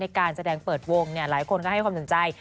การแสดงเปิดวงหลายคนก็ให้ความสนใจ